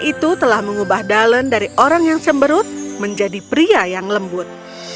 dia telah mengubah dallen dari orang yang sembrut menjadi pria yang lembut